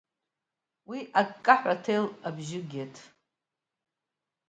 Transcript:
Ус, аккаҳәа аҭел абжьы аагеит.